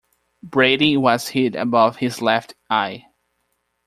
Brady was hit above his left eye.